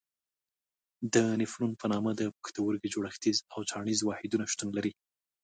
د نفرون په نامه د پښتورګي جوړښتیز او چاڼیز واحدونه شتون لري.